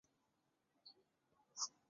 布朗日人口变化图示